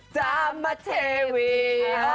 จามเทวี